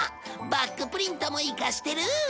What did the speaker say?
バックプリントもいかしてる！